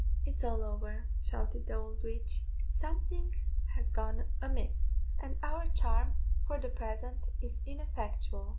"It is all over," shouted the old witch; "something has gone amiss, and our charm for the present is ineffectual."